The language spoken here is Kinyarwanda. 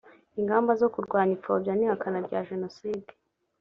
ingamba zo kurwanya ipfobya n ihakana rya jenoside